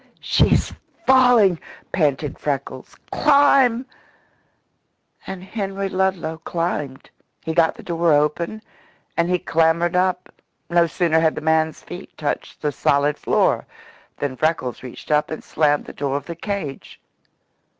"She's falling!" panted Freckles. "Climb!" And Henry Ludlow climbed. He got the door open, and he clambered up. No sooner had the man's feet touched the solid floor than Freckles reached up and slammed the door of the cage.